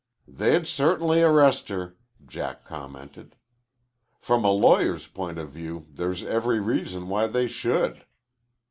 "They'd certainly arrest her," Jack commented. "From a lawyer's point of view there's every reason why they should.